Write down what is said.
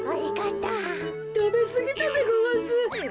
たべすぎたでごわす。